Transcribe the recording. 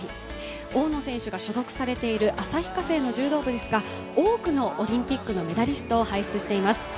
大野選手が所属されている旭化成の柔道部ですが、多くのオリンピックのメダリストを輩出しています。